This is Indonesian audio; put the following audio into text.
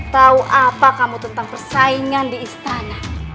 tahu apa kamu tentang persaingan di istana